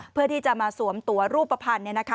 เพื่อที่จะมาสวมตัวรูปภัณฑ์เนี่ยนะคะ